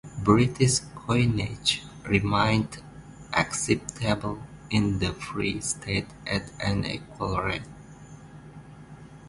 British coinage remained acceptable in the Free State at an equal rate.